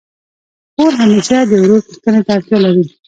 خور همېشه د ورور پوښتني ته اړتیا لري.